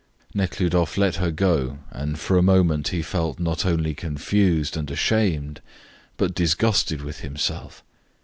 Nekhludoff let her go, and for a moment he felt not only confused and ashamed but disgusted with himself.